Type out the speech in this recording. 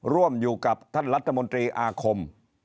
ร่วมอยู่กับท่านรัฐมนตรีอาคม